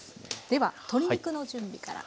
では鶏肉の準備から。